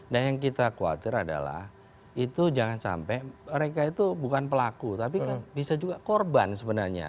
dan yang kita khawatir adalah itu jangan sampai mereka itu bukan pelaku tapi kan bisa juga korban sebenarnya